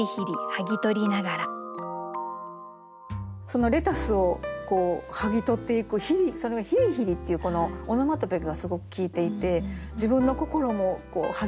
そのレタスをこう剥ぎ取っていくそれを「ひりひり」っていうこのオノマトペがすごく効いていて自分の心も剥ぎ取っていくような